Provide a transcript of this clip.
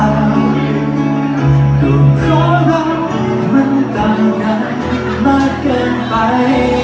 ก็เพราะเรามันต่างกันมากเกินไป